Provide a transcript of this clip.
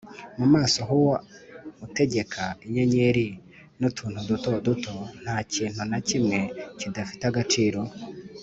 mu maso h’uwo utegeka inyenyeri n’utuntu duto duto, nta kintu na kimwe kidafite agaciro